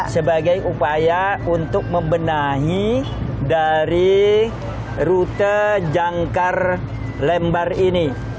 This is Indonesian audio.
sebagai upaya untuk membenahi dari rute jangkar lembar ini